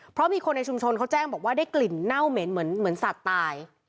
เพราะมีคนในชุมชนเขาแจ้งบอกว่าได้กลิ่นเน่าเหม็นเหมือนสัตว์ตาย